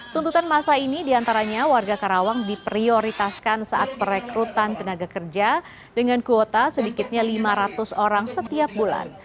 tuntutan masa ini diantaranya warga karawang diprioritaskan saat perekrutan tenaga kerja dengan kuota sedikitnya lima ratus orang setiap bulan